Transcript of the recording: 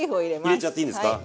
入れちゃっていいんですか？